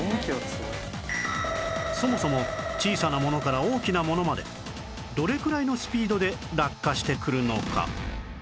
そもそも小さなものから大きなものまでどれくらいのスピードで落下してくるのか？